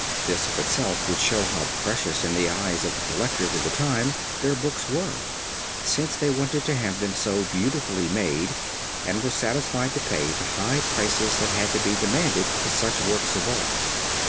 This of itself would show how precious in the eyes of the collectors of the time their books were, since they wanted to have them so beautifully made and were satisfied to pay the high prices that had to be demanded for such works of art.